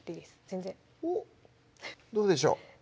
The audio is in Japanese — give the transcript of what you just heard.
全然どうでしょう？